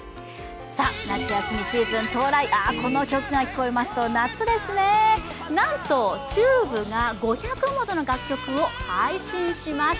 夏休みシーズン到来、この曲が聴こえますと夏ですね、なんとＴＵＢＥが５００もの楽曲を配信します。